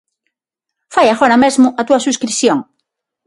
Fai agora mesmo a túa subscrición.